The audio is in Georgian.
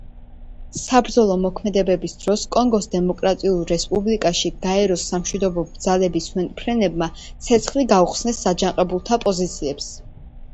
საბრძოლო მოქმედებების დროს კონგოს დემოკრატიულ რესპუბლიკაში გაეროს სამშვიდობო ძალების ვერტმფრენებმა ცეცხლი გაუხსნეს აჯანყებულთა პოზიციებს.